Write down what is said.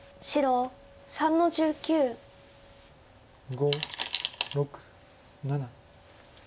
５６７。